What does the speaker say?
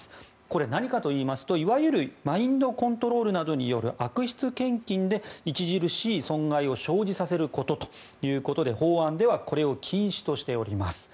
これは何かといいますといわゆるマインドコントロールなどによる悪質献金で著しい損害を生じさせることということで法案ではこれを禁止としております。